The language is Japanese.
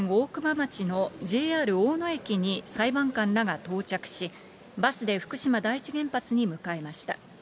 町のＪＲ大野駅に裁判官らが到着し、バスで福島第一原発に向かいました。